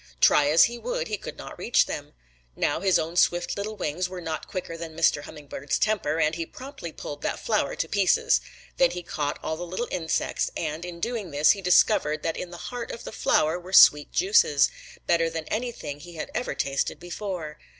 Try as he would he could not reach them. Now his own swift little wings were not quicker than Mr. Hummingbird's temper, and he promptly pulled that flower to pieces. Then he caught all the insects, and in doing this he discovered that in the heart of the flower were sweet juices, better than anything he ever had tasted before.